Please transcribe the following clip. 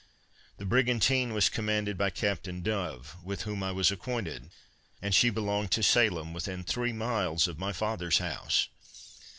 The brigantine was commanded by Captain Dove, with whom I was acquainted, and she belonged to Salem, within three miles of my father's house.